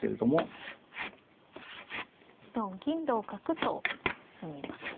同銀同角と進みますね。